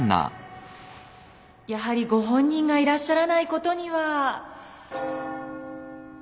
やはりご本人がいらっしゃらないことには。